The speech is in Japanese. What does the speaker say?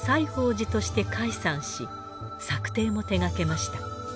作庭も手がけました。